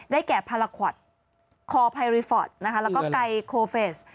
ได้แก่พาราคอทคอลไพรฟอทแล้วก็ไกลโคเฟส